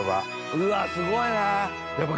うわすごいな。